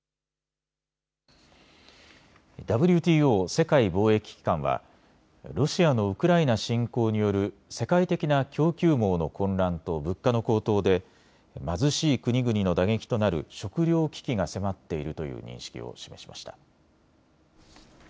ＷＴＯ・世界貿易機関はロシアのウクライナ侵攻による世界的な供給網の混乱と物価の高騰で貧しい国々の打撃となる食糧危機が迫っているという認識を示しました。